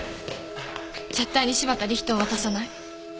絶対に柴田理人は渡さない。